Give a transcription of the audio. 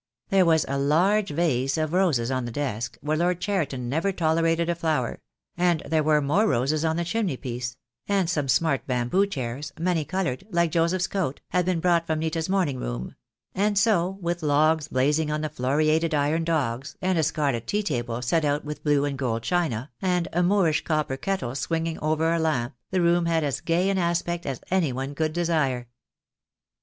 There was a large vase of roses on the desk, where Lord Cheriton never tolerated a flower; and there were more roses on the chimney piece; and some smart bamboo chairs, many coloured, like Joseph's coat, had been brought from Nita's morning room — and so, with logs blazing on the floriated iron dogs, and a scarlet tea table set out with blue and gold china, and a Moorish copper kettle swinging over a lamp, the room had as gay an aspect as any one could desire.